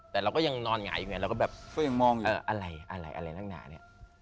แต่เราก็ยังนอนหง่ายอยู่ไงเราก็แบบอะไรอะไรอะไรนักหนาเนี่ย